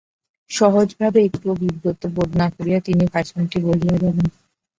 সহজভাবে একটুও বিব্রত বোধ না করিয়া তিনি ভাষণটি বলিয়া গেলেন।